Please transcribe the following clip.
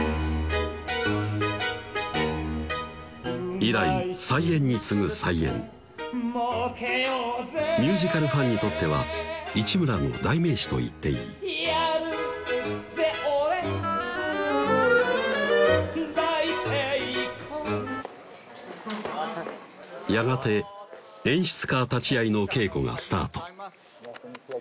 以来再演に次ぐ再演ミュージカルファンにとっては市村の代名詞と言っていいやがて演出家立ち会いの稽古がスタート